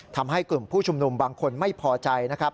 ทำให้กลุ่มผู้ชุมนุมบางคนไม่พอใจนะครับ